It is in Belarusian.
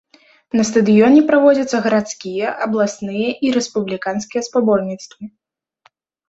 На стадыёне праводзяцца гарадскія, абласныя і рэспубліканскія спаборніцтвы.